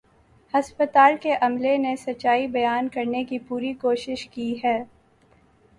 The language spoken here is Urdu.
ہسپتال کے عملے نے سچائی بیان کرنے کی پوری کوشش کی ہے